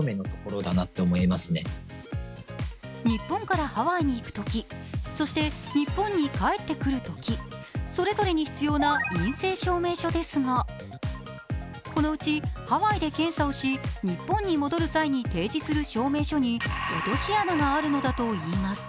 日本からハワイに行くとき、そして日本に帰ってくるときそれぞれに必要な陰性証明書ですが、このうちハワイで検査をし日本に戻る際に提示する証明書に落とし穴があるのだといいます。